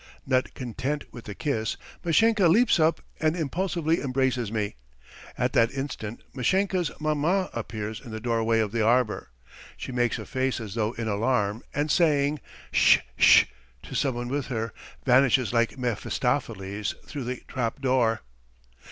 Not content with the kiss, Mashenka leaps up and impulsively embraces me. At that instant, Mashenka's maman appears in the doorway of the arbour. ... She makes a face as though in alarm, and saying "sh sh" to someone with her, vanishes like Mephistopheles through the trapdoor.